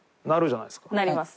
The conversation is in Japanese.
なります。